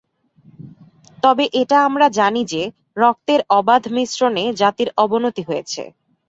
তবে এটা আমরা জানি যে, রক্তের অবাধ মিশ্রণে জাতির অবনতি হয়।